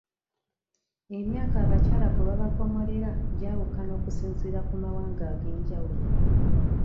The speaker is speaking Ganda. Emyaka abakyala kwe babakomolera gyawukana okusinziira ku mawanga ag'enjawulo